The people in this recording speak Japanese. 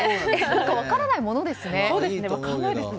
分からないものですね。